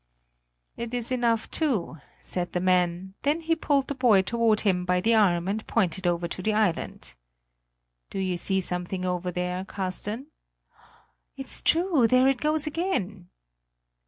"It is enough, too," said the man, then he pulled the boy toward him by the arm and pointed over to the island. "Do you see something over there, Carsten?" "It's true, there it goes again."